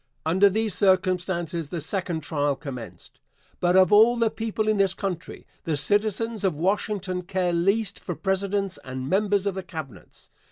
Under these circumstances the second trial commenced. But of all the people in this country the citizens of Washington care least for Presidents and members of the Cabinets.